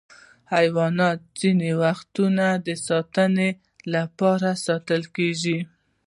حیوانات ځینې وختونه د ساتنې لپاره ساتل کېږي.